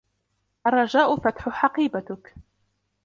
الرجاء فتح حقيبتك.